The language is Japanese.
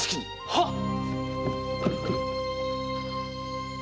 はっ！